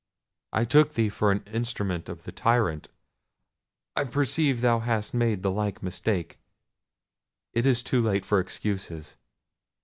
I took thee for an instrument of the tyrant; I perceive thou hast made the like mistake. It is too late for excuses.